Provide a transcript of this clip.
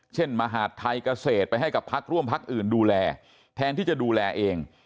มหาดไทยเกษตรไปให้กับพักร่วมพักอื่นดูแลแทนที่จะดูแลเอง